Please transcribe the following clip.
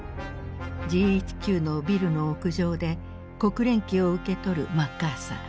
ＧＨＱのビルの屋上で国連旗を受け取るマッカーサー。